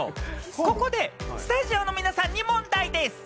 ここでスタジオの皆さんに問題です！